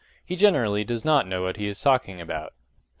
He generally does not know what he is talking about.